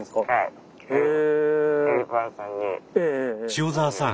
塩澤さん